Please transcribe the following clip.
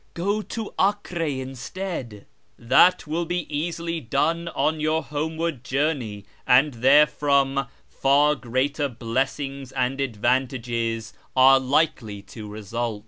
Go to Acre instead ; that will be easily done on your homeward journey, and there from far greater blessings and advantages are likely to result."